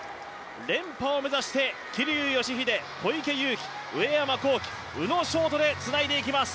連覇を目指して桐生祥秀小池祐貴、上山紘輝、宇野勝翔でつないでいきます。